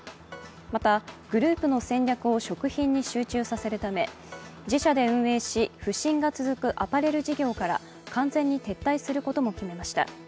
また、グループの戦略を食品に集中させるため自社で運営し不振が続くアパレル事業から完全に撤退することも決めました。